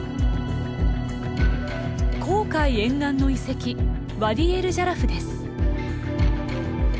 紅海沿岸の遺跡ワディ・エル＝ジャラフです。